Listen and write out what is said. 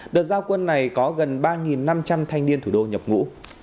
đợt giao quân này có gần ba năm trăm linh thanh niên thủ đô nhập ngũ